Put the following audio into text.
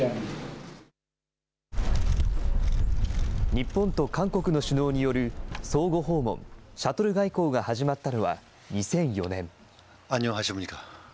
日本と韓国の首脳による相互訪問、シャトル外交が始まったのは２００４年。